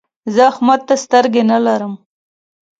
زه احمد ته سترګې نه لرم.